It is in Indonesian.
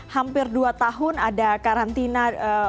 hampir dua tahun ada karantina